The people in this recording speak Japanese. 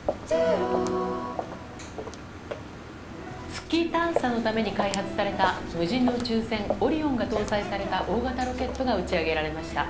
月探査のために開発された無人の宇宙船「オリオン」が搭載された大型ロケットが打ち上げられました。